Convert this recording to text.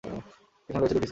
এখানে রয়েছে দুটি স্কুল।